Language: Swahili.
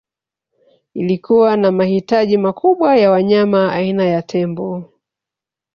Ilikuwa na mahitaji makubwa ya wanyama aina ya tembo